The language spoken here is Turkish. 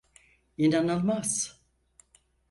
İnanıImaz!